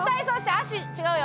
足違うよ。